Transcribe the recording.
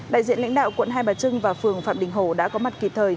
đại diện lãnh đạo quận hai bà trưng và phường phạm đình hổ đã có mặt kịp thời